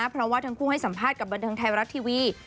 เพราะว่าทั้งคู่ให้สัมภาษณ์กับบันเทิงไทยรัฐทีวี